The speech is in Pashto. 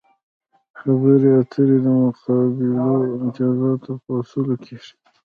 خبرې اترې د متقابلو امتیازاتو په اصولو کیږي